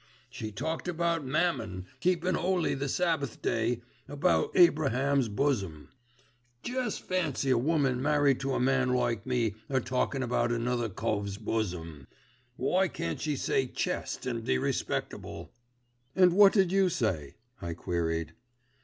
She talked about Mammon, keepin' 'oly the Sabbath day, about Abraham's bosom. Jest fancy a woman married to a man like me a talkin' about another cove's bosom. Why can't she say chest and be respectable?" "And what did you say?" I queried.